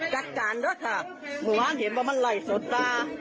จัดจันด้วยค่ะหมอเห็นป่ะมันไหลโสตา